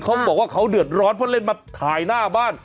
เขาบอกว่าเขาเดือดร้อนเพราะเล่นมาถ่ายหน้าบ้าน